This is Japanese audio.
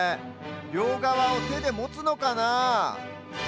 りょうがわをてでもつのかな。